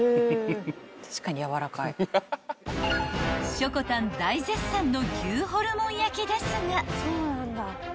［しょこたん大絶賛の牛ホルモン焼ですが］